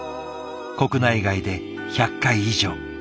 国内外で１００回以上。